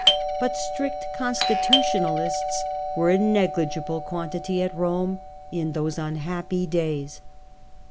But strict constitutionalists were a negligeable quantity at Rome in those unhappy days.